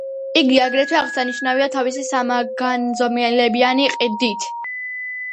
იგი აგრეთვე აღსანიშნავია თავისი სამგანზომილებიანი ყდით.